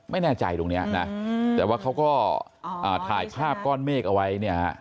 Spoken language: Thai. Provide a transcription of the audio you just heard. ไม่แน่ใจทุกนี้นะแต่ว่าเค้าก็ถ่ายภาพก้อนเหม็กเอาไว้